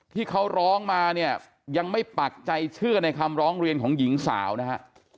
ที่เขาร้องมาเนี่ยยังไม่ปักใจเชื่อในคำร้องเรียนของหญิงสาวนะฮะ